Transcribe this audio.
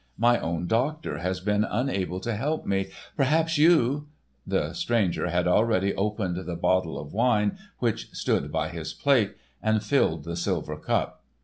My own doctor has been unable to help me. Perhaps you—" The stranger had already opened the bottle of wine which stood by his plate, and filled the silver cup.